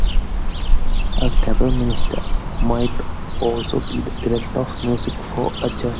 A Kapellmeister might also be the director of music for a church.